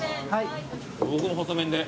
僕も細麺で。